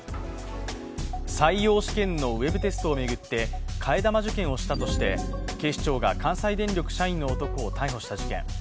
採用試験のウェブテストを巡って替え玉受検をしたとして警視庁が関西電力社員の男を逮捕した事件。